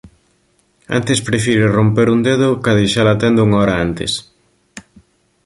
Antes prefire romper un dedo ca deixa-la tenda unha hora antes.